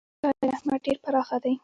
د خدای رحمت ډېر پراخه دی.